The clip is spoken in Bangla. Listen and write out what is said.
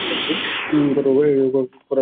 কড়া লোকের শত্রুর অভাব নাই।